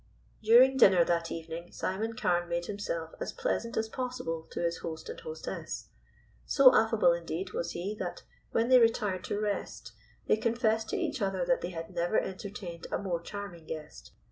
During dinner that evening Simon Carne made himself as pleasant as possible to his host and hostess. So affable, indeed, was he that when they retired to rest they confessed to each other that they had never entertained a more charming guest.